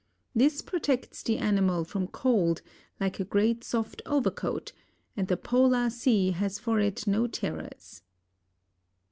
This protects the animal from cold like a great soft overcoat, and the polar sea has for it no terrors.